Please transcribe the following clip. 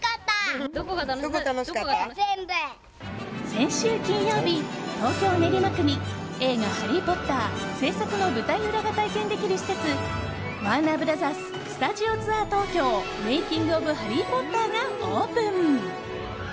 先週金曜日、東京・練馬区に映画「ハリー・ポッター」制作の舞台裏が体験できる施設ワーナーブラザーススタジオツアー東京‐メイキング・オブ・ハリー・ポッターがオープン。